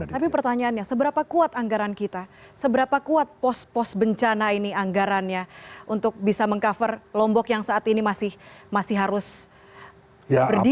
tapi pertanyaannya seberapa kuat anggaran kita seberapa kuat pos pos bencana ini anggarannya untuk bisa meng cover lombok yang saat ini masih harus berdiri